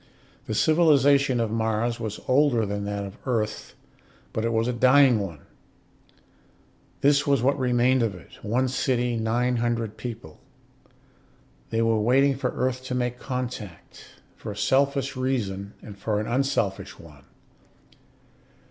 The civilization of Mars was older than that of Earth, but it was a dying one. This was what remained of it: one city, nine hundred people. They were waiting for Earth to make contact, for a selfish reason and for an unselfish one.